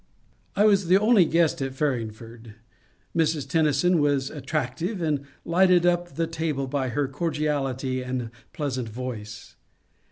I was the only guest at Farringford. Mrs. Tennyson was attractive, and lighted up the table by her cordiality and pleasant voice.